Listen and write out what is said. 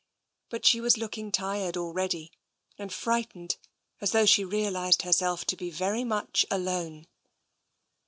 But she was looking 236 TENSION tired already, and frightened, as though she realised herself to be very much alone.